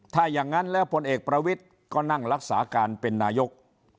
ถ้าอย่างนั้นแล้วพลเอกประวิทย์ก็นั่งรักษาการเป็นนายก